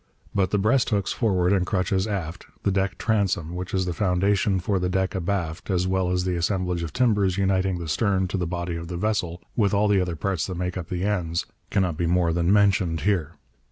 But the breast hooks forward and crutches aft, the deck transom, which is the foundation for the deck abaft as well as the assemblage of timbers uniting the stern to the body of the vessel, with all the other parts that make up the ends, cannot be more than mentioned here.